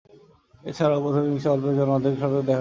এছাড়াও, প্রথম ইনিংসে অল্পের জন্য অর্ধ-শতকের সন্ধান পাননি।